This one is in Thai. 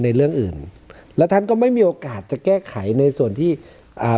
เรื่องอื่นและท่านก็ไม่มีโอกาสจะแก้ไขในส่วนที่อ่า